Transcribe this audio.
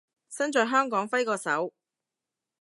身在香港揮個手